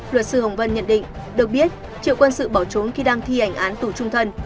luật sư hồng vân nhận định được biết triệu quân sự bỏ trốn khi đang thi hành án tù trung thân